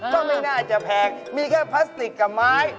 ก็ไม่น่าจะแพงมีแค่พลาสติกกับไม้